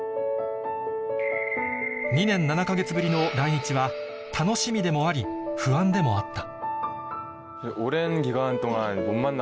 ２年７か月ぶりの来日は楽しみでもあり不安でもあった